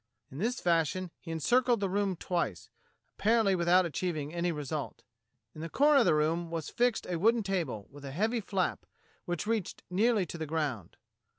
In this fashion he encircled the room twice, apparently without achiev ing any result. In the corner of the room was fixed a wooden table with a heavy flap which reached nearly to the ground.